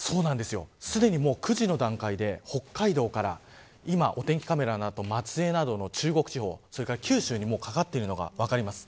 すでに９時の段階で北海道から、今お天気カメラにあった松江などの中国地方それから九州にもうかかっているのが分かります。